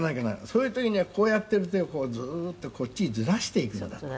「そういう時にはこうやっている手をずっとこっちにずらしていくんだと」